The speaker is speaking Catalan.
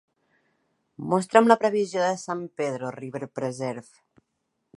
Mostra'm la previsió de San Pedro River Preserve